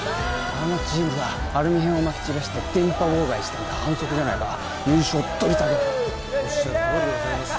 あのチームはアルミ片をまき散らして電波妨害したんだ反則じゃないか優勝を取り下げろ・おっしゃるとおりでございます